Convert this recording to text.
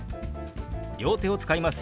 両手を使いますよ。